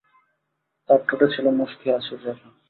তার ঠোঁটে ছিল মুচকি হাসির রেখা।